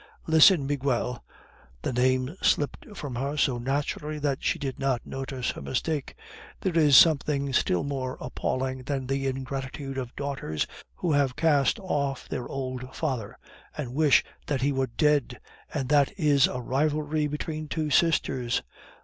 Listen, Miguel" the name slipped from her so naturally that she did not notice her mistake "there is something still more appalling than the ingratitude of daughters who have cast off their old father and wish that he were dead, and that is a rivalry between two sisters.